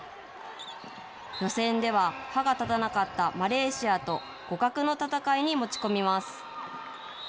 予選では歯が立たなかったマレーシアと、互角の戦いに持ち込みます。